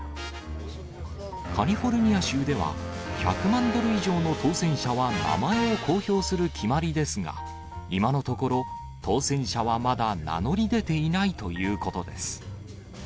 カリフォルニア州では、１００万ドル以上の当せん者は名前を公表する決まりですが、今のところ、当せん者はまだ名乗り出ていないということです。